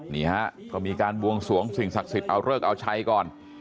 นี่ฮะก็มีการบวงสวงสิ่งศักดิ์สิทธิ์เอาเลิกเอาชัยก่อน